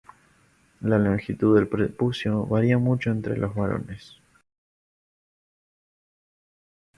La longitud del prepucio varía mucho entre los varones.